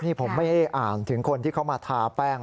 นี่ผมไม่ได้อ่านถึงคนที่เขามาทาแป้ง